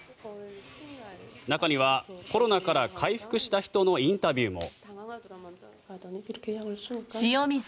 中にはコロナから回復した人のインタビューも。